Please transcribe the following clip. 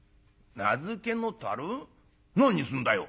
何にすんだよ」。